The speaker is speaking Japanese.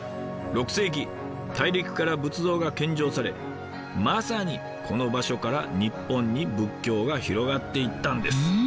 ６世紀大陸から仏像が献上されまさにこの場所から日本に仏教が広がっていったんです。